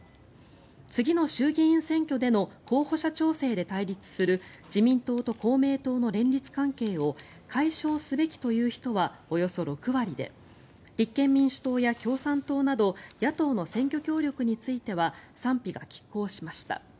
次の衆議院選挙での候補者調整で対立する自民党と公明党の連立関係を解消すべきという人はおよそ６割で立憲民主党や共産党など野党の選挙協力については賛否がきっ抗しました。